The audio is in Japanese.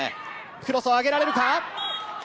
クロスを上げられるか。